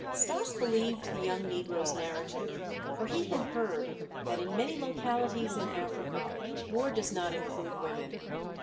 Stas believed the young negro's narrative, for he had heard that in many localities in Africa war does not include women.